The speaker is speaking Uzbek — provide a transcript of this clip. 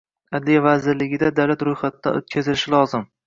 Adliya vazirligida davlat ro‘yxatidan o‘tkazilishi lozim.